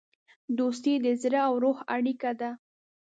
دوستي د زړه او روح اړیکه ده.